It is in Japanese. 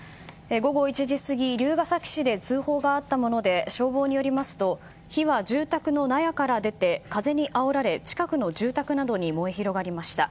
午後１時過ぎ龍ケ崎市で通報があったもので消防によりますと火は住宅の納屋から出て風にあおられ近くの住宅などに燃え広がりました。